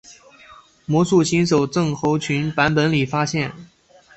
魔术新手症候群版本里发现。